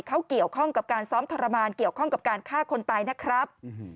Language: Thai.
เขาเกี่ยวข้องกับการซ้อมทรมานเกี่ยวข้องกับการฆ่าคนตายนะครับ